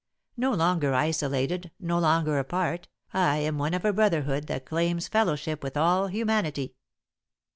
No longer isolated, no longer apart, I am one of a brotherhood that claims fellowship with all humanity.